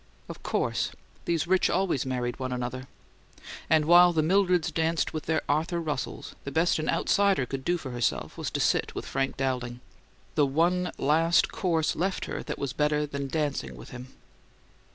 Of course! These rich always married one another. And while the Mildreds danced with their Arthur Russells the best an outsider could do for herself was to sit with Frank Dowling the one last course left her that was better than dancing with him.